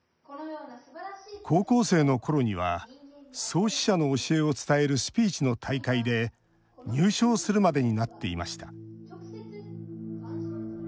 高校生のころには創始者の教えを伝えるスピーチの大会で入賞するまでになっていました